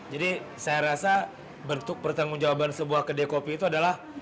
saya rasa bentuk pertanggung jawaban sebuah kedai kopi itu adalah